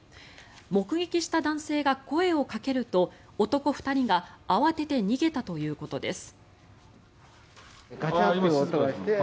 目撃した男性が声をかけると男２人が慌てて逃げたということです。